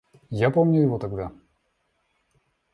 Я помню его тогда.